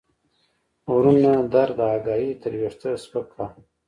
غرونه درد داګاهي تر ويښته سپک کا